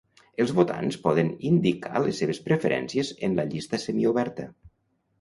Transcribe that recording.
Els votants poden indicar les seves preferències en la llista semioberta.